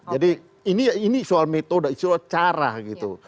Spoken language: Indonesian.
ya jadi ini soal metode soal cara gitu